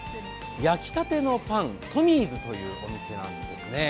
焼きたてのパン、トミーズというお店なんですね。